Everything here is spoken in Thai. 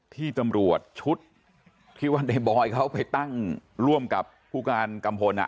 ที่ตำรวจชุดที่ว่าในบอยเขาไปตั้งร่วมกับผู้การกัมพล